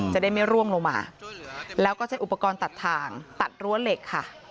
จะได้ไม่ร่วงลงมาแล้วก็ใช้อุปกรณ์ตัดทางตัดรั้วเหล็กค่ะ